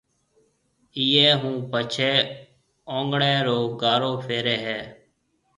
ايئيَ ھون پڇيَ اوڱڻيَ رو گارو ڦيري ھيََََ